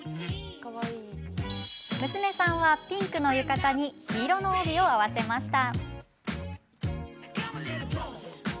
娘さんはピンクの浴衣に黄色の帯を合わせました。